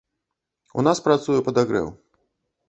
У нас працуе падагрэў.